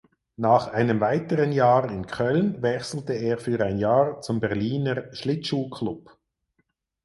Nach einem weiteren Jahr in Köln wechselte er für ein Jahr zum Berliner Schlittschuhclub.